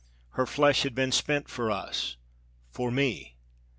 Her flesh had been spent for us for me.